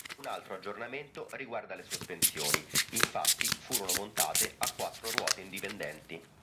Un altro aggiornamento riguarda le sospensioni, infatti furono montate a quattro ruote indipendenti.